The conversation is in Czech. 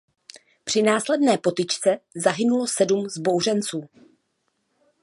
Při následné potyčce zahynulo sedm vzbouřenců.